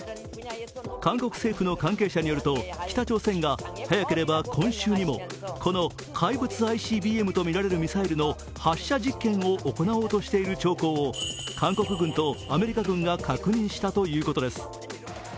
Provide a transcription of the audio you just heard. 韓国政府の関係者によると、北朝鮮が早ければ今週にもこの怪物ＩＣＢＭとみられるミサイルの発射実験を行おうとしている兆候を韓国軍とアメリカ軍が確認したということです。